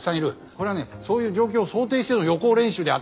これはねそういう状況を想定しての予行練習であって。